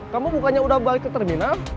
kamu bukannya udah balik ke terminal